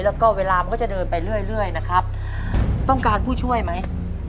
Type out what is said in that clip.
แล้วก็เวลามันก็จะเดินไปเรื่อยนะครับต้องการผู้ช่วยไหม